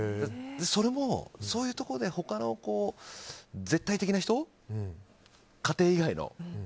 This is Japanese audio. それも、そういうとこで他の絶対的な人家庭以外の。